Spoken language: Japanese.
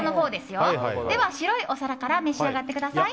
では、白いお皿から召し上がってください。